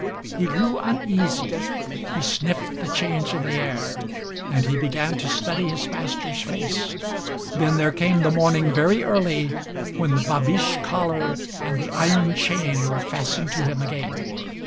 He grew uneasy. He sniffed the change in the air, and he began to study his master's face. Then there came the morning, very early, when the babiche collar and the iron chain were fastened to him again.